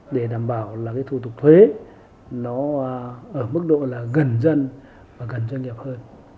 để đảm bảo là cái thủ tục thuế nó ở mức độ là gần dân và gần doanh nghiệp hơn